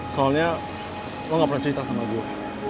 soalnya gue gak pernah cerita sama gue